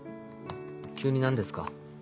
急に何ですか？